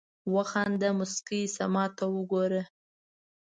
وخانده مسکی شه ماته وګوره